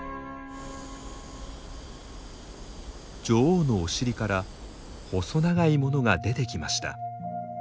女王のお尻から細長いものが出てきました。